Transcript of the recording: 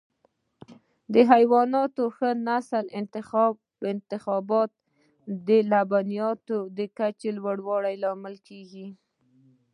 د حیواناتو د ښه نسل انتخاب د لبنیاتو د کچې لوړولو لامل کېږي.